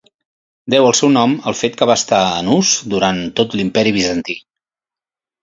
Deu el seu nom al fet que va estar en ús durant tot l'Imperi bizantí.